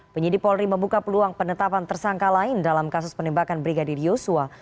penyidik polri membuka peluang penetapan tersangka lain dalam kasus penembakan brigadir yosua